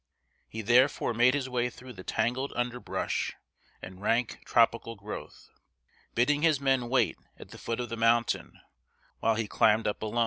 He therefore made his way through the tangled underbrush and rank tropical growth, bidding his men wait at the foot of the mountain, while he climbed up alone.